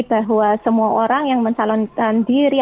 bahwa semua orang yang mencalonkan diri